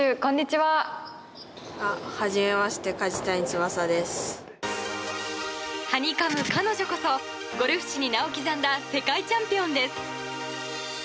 はにかむ彼女こそゴルフ史に名を刻んだ世界チャンピオンです。